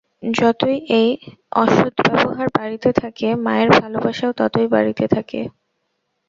যতই এই অসদ্ব্যবহার বাড়িতে থাকে, মায়ের ভালবাসাও ততই বাড়িতে থাকে।